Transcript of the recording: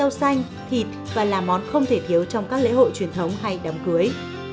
rau xanh thịt và là món không thể thiếu trong các lễ hội truyền thống hay đám cưới